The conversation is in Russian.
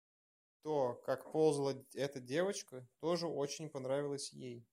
То, как ползала эта девочка, тоже очень понравилось ей.